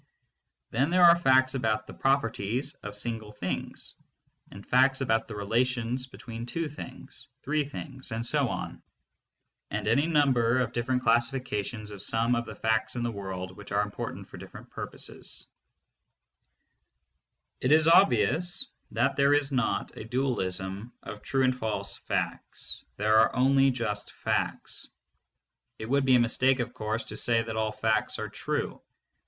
Then there are facts about the properties of single things; and facts about the relations between two things, three things, and so on ; and any num ber of different classifications of some of the facts in the world, which are important for different purposes. 2 Negative facts are further discussed in a later lecture. 504 THE MONIST. It is obvious that there is not a dualism of true and false facts ; there are only just facts. It would be a mistake, of course, to say that all facts are true.